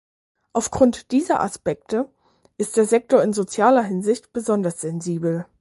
Auf Grund dieser Aspekte ist der Sektor in sozialer Hinsicht besonders sensibel.